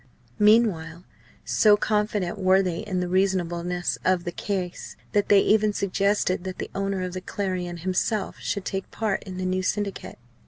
Meanwhile so confident were they in the reasonableness of the case that they even suggested that the owner of the Clarion himself should take part in the new Syndicate.